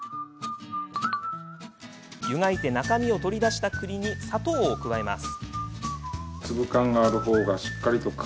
湯がいて中身を取り出したくりに砂糖を加えます。